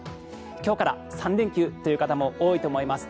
今日から３連休という方も多いと思います。